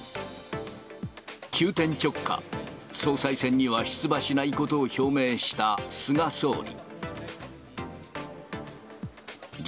急転直下、総裁選には出馬しないことを表明した菅総理。